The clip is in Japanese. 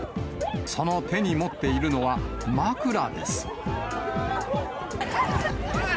その手に持っているのは枕です。